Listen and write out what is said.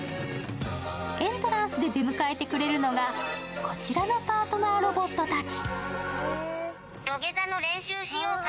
エントランスで出迎えてくれるのが、こちらのパートナーロボットたち。